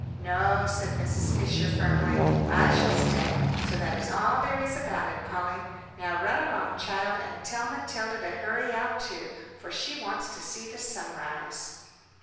"No," said Mrs. Fisher, firmly, "I shall stay, so that is all there is about it, Polly. Now run along, child, and tell Matilda to hurry out too, for she wants to see the sunrise."